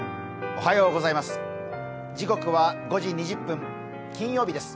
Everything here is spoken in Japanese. おはようございます。